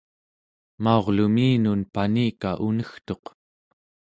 maurluminun panika unegtuq